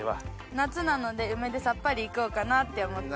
夏なので梅でさっぱりいこうかなって思って。